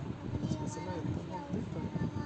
Tettmeslayeḍ tamalṭit?